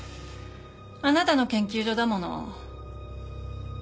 あなたの研究所だもの。